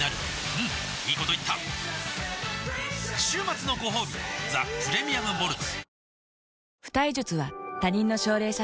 うんいいこと言った週末のごほうび「ザ・プレミアム・モルツ」